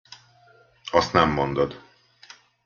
Azt nem mondod.